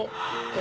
え？